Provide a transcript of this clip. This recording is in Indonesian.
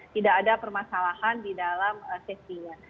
tidak ada permasalahan di dalam safety nya